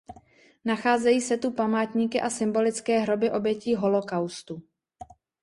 Nacházejí se tu památníky a symbolické hroby obětí holokaustu.